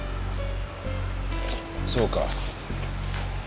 そうか。